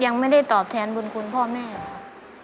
ยังไม่ได้ตอบแทนบุญคุณพ่อแม่ค่ะ